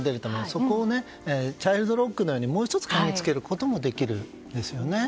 そこにチャイルドロックのようにもう１つ鍵をつけることもできますよね。